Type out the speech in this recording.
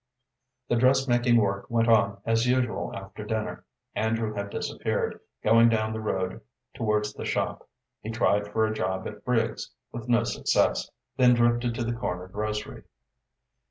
The dressmaking work went on as usual after dinner. Andrew had disappeared, going down the road towards the shop. He tried for a job at Briggs's, with no success, then drifted to the corner grocery.